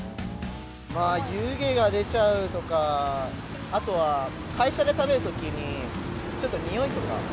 湯気が出ちゃうとか、あとは会社で食べるときに、ちょっと匂いとか。